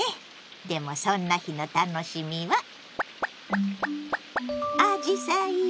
でもそんな日の楽しみはアジサイよ！